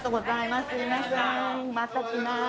また来ます。